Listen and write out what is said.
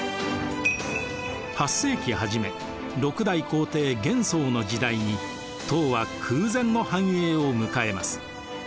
８世紀初め６代皇帝玄宗の時代に唐は空前の繁栄を迎えます。